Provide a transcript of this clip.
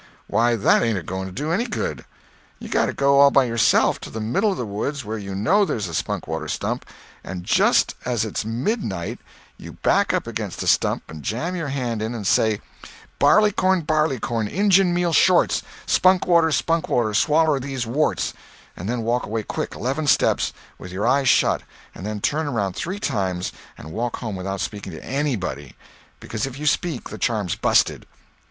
Why, that ain't a going to do any good. You got to go all by yourself, to the middle of the woods, where you know there's a spunk water stump, and just as it's midnight you back up against the stump and jam your hand in and say: 'Barley corn, barley corn, injun meal shorts, Spunk water, spunk water, swaller these warts,' and then walk away quick, eleven steps, with your eyes shut, and then turn around three times and walk home without speaking to anybody. Because if you speak the charm's busted."